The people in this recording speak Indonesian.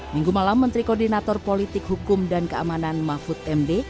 minggu malam menteri koordinator politik hukum dan keamanan mahfud md